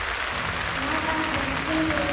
まだできる？